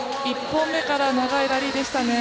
１本目から長いラリーでしたね。